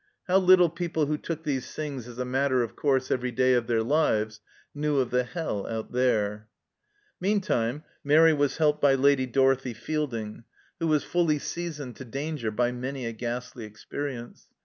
How little people who took these things as a matter of course every day of their lives knew of the hell out there ! Meantime, Mairi was helped by Lady Dorothie Feilding, who was fully seasoned to danger by many a ghastly experience.